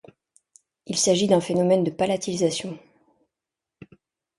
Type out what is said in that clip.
Il s'agit d'un phénomène de palatalisation.